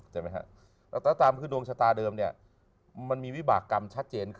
อเจมส์รับทราบคือดวงชะตาเดิมมันมีวิบากกรรมชัดเจน